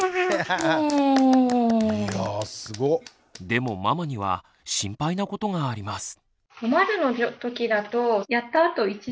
でもママには心配なことがあります。